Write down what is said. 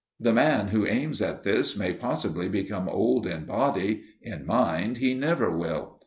The man who aims at this may possibly become old in body in mind he never will.